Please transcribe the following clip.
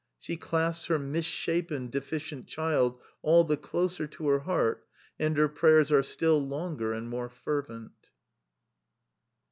She clasps her misshapen, deficient child all the closer to her heart, and her prayers are still longer and more fervent.